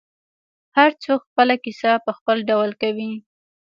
هر څوک خپله کیسه په خپل ډول کوي.